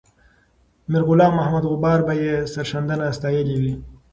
میرغلام محمد غبار به یې سرښندنه ستایلې وه.